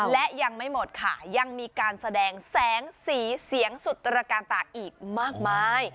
และยังไม่หมดค่ะยังมีการแสดงแสงสีเสียงสุดตระการตาอีกมากมาย